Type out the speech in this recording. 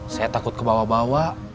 saya takut kebawa bawa